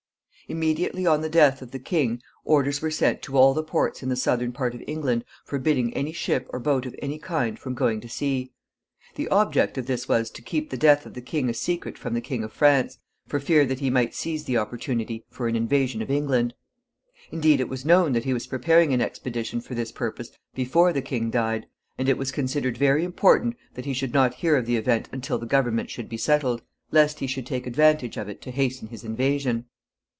Immediately on the death of the king, orders were sent to all the ports in the southern part of England forbidding any ship or boat of any kind from going to sea. The object of this was to keep the death of the king a secret from the King of France, for fear that he might seize the opportunity for an invasion of England. Indeed, it was known that he was preparing an expedition for this purpose before the king died, and it was considered very important that he should not hear of the event until the government should be settled, lest he should take advantage of it to hasten his invasion.